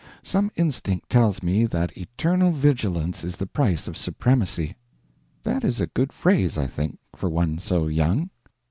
Some instinct tells me that eternal vigilance is the price of supremacy. (That is a good phrase, I think, for one so young.)